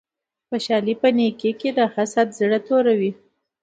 خوشحالی په نیکې کی ده حسد زړه توروی